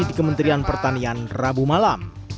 di kementerian pertanian rabu malam